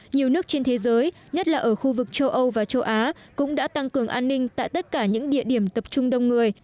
nhiều nước trên thế giới nhất là ở khu vực châu âu và châu á cũng đã tăng cường an ninh tại tất cả những địa điểm tập trung đông người